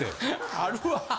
あるわ！